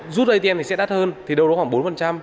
rút atm thì sẽ đắt hơn thì đâu đó khoảng bốn